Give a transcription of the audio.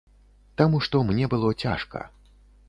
Таму што мне было цяжка.